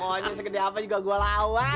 pokoknya segede apa juga gua lawan